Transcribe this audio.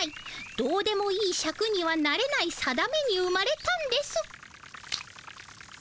どうでもいいシャクにはなれない定めに生まれたんです」。